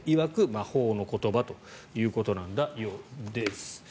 魔法の言葉ということなんそうです。